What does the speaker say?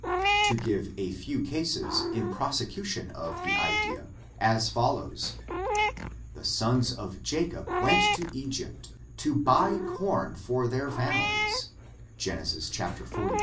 To give a few cases in prosecution of the idea, as follows: The sons of Jacob went to Egypt to buy com for their families — Gen. xUi, 2.